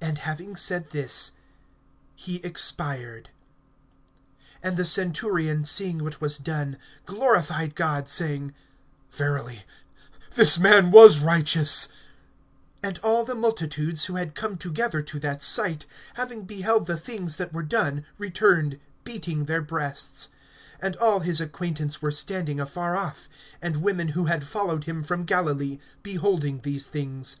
And having said this, he expired. (47)And the centurion, seeing what was done, glorified God, saying: Verily, this man was righteous! (48)And all the multitudes who had come together to that sight, having beheld the things that were done, returned, beating their breasts. (49)And all his acquaintance were standing afar off, and women who had followed him from Galilee, beholding these things.